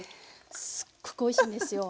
すっごくおいしいんですよ。